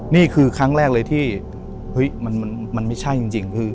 นี่คือครั้งแรกเลยที่มันไม่ใช่จริง